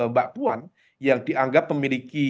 mbak puan yang dianggap memiliki